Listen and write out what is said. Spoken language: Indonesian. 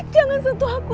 jangan sentuh aku